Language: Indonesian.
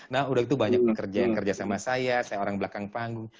nah udah itu banyak yang kerja sama saya saya orang belakang panggung